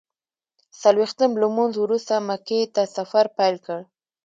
څلویښتم لمونځ وروسته مکې ته سفر پیل کړ.